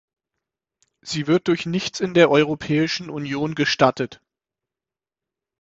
Sie wird durch nichts in der Europäischen Union gestattet.